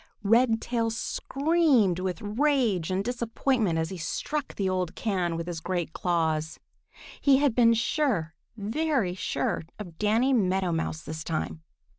Redtail screamed with rage and disappointment as he struck the old can with his great claws. He had been sure, very sure of Danny Meadow Mouse this time!